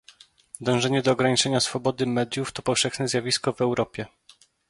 Dążenia do ograniczenia swobody mediów to powszechne zjawisko w Europie